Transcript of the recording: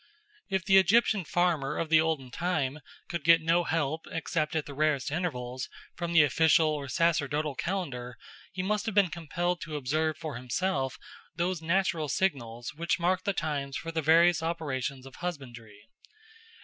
If the Egyptian farmer of the olden time could get no help, except at the rarest intervals, from the official or sacerdotal calendar, he must have been compelled to observe for himself those natural signals which marked the times for the various operations of husbandry.